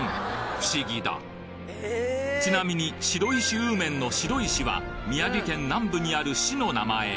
不思議だちなみに白石うーめんの白石は宮城県南部にある市の名前